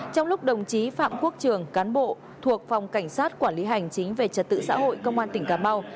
trong lúc đồng chí phạm quốc trường cán bộ thuộc phòng cảnh sát quản lý hành chính về trật tự xã hội công an tỉnh cà mau